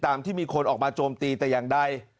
ที่มีคนออกมาโจมตีแต่อย่างใด